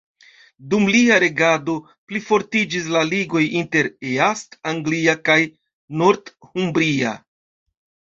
Dum lia regado plifortiĝis la ligoj inter East Anglia kaj Northumbria.